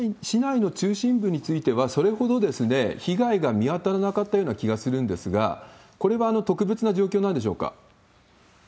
市内の中心部については、それほど被害が見当たらなかった気がするんですが、これは特別な状況なんでしょうか？